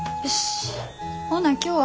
よし！